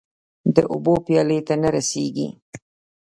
د اوبو پیالو ته نه رسيږې